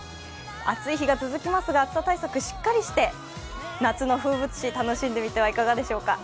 暑い日が続きますが、暑さ対策しっかりして夏の風物詩、楽しんでみてはいかがでしょうか。